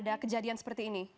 ada kejadian sepertinya